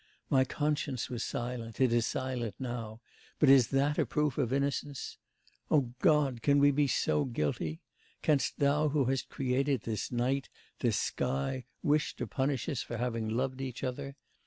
My conscience was silent, it is silent now, but is that a proof of innocence? O God, can we be so guilty! Canst Thou who hast created this night, this sky, wish to punish us for having loved each other?